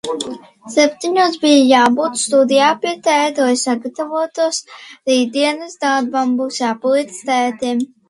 Septiņos bija jābūt studijā pie tēta lai sagatavotos rītdienas darbam. Būs jāpalīdz tētim.